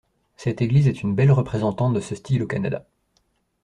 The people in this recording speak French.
Cette église est une belle représentante de ce style au Canada.